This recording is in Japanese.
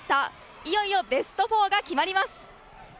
いよいよベスト４が決まります。